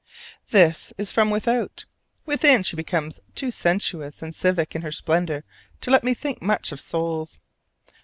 That is from without: within she becomes too sensuous and civic in her splendor to let me think much of souls.